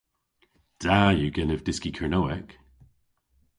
Da yw genev dyski Kernewek.